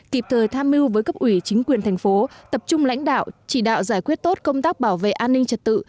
kịp thời tham mưu với cấp ủy chính quyền thành phố tập trung lãnh đạo chỉ đạo giải quyết tốt công tác bảo vệ an ninh trật tự